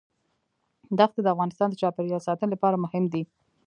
دښتې د افغانستان د چاپیریال ساتنې لپاره مهم دي.